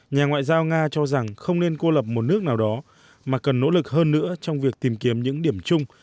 nhà ngoại giao nga cho rằng không nên cô lập một nước nào đó mà cần nỗ lực hơn nữa trong việc tìm kiếm những điểm chung